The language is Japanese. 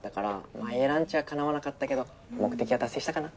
まぁＡランチは叶わなかったけど目的は達成したかな。